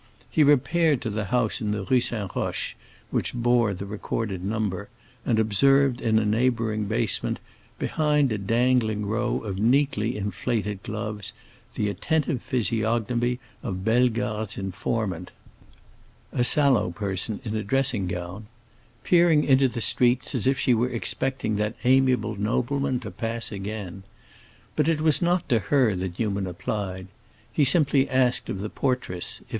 He repaired to the house in the Rue St. Roch which bore the recorded number, and observed in a neighboring basement, behind a dangling row of neatly inflated gloves, the attentive physiognomy of Bellegarde's informant—a sallow person in a dressing gown—peering into the street as if she were expecting that amiable nobleman to pass again. But it was not to her that Newman applied; he simply asked of the portress if M.